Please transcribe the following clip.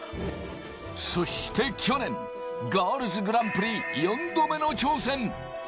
そして去年、ガールズグランプリ４度目の挑戦。